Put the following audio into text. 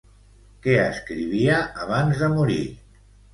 Què escrivia abans de morir?